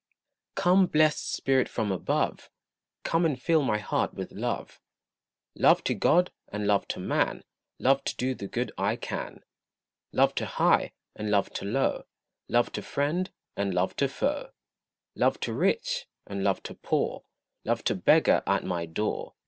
Come blest Spirit from above, Come and fill my heart with love; Love to God, and love to man, Love to do the good I can; Love to high, and love to low, Love to friend, and love to foe. Love to rich, and love to poor, Love to beggar at my door.